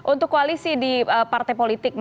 untuk koalisi di partai politik itu apa